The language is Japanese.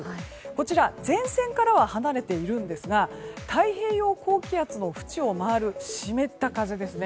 こちら、前線からは離れているんですが太平洋高気圧のふちを回る湿った風ですね。